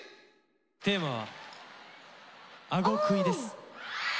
テーマは「あごくい」です。